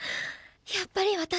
やっぱり私。